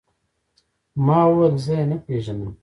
ما وويل زه يې نه پېژنم.